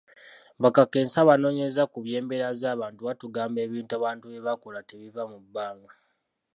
Bakakensa abanoonyereza ku by'embeera z'abantu batugamba ebintu abantu bye bakola tebiva mu bbanga.